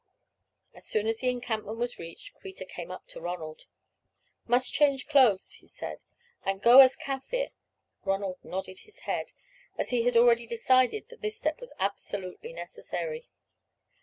As soon as the encampment was reached, Kreta came up to Ronald. "Must change clothes," he said, "and go as Kaffir." Ronald nodded his head, as he had already decided that this step was absolutely necessary.